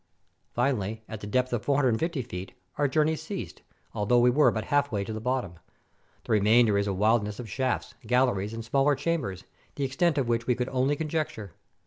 Finally, at the depth of 450 feet, our journey ceased, although we were but halfway to the bottom. The remainder is a wilderness of shafts, galleries, and smaller chambers, the extent of which we could only conjecture.